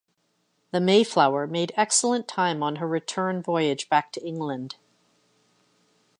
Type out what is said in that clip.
The "Mayflower" made excellent time on her return voyage back to England.